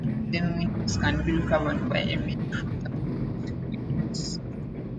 Hidden windows can be recovered via a menu from the root window.